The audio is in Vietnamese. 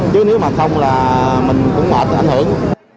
chứ nếu mà không là mình cũng mở ảnh hưởng